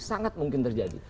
sangat mungkin terjadi